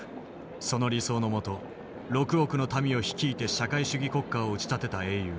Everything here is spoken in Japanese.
その理想の下６億の民を率いて社会主義国家を打ち立てた英雄。